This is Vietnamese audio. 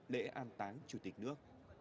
lễ an táng chủ tịch nước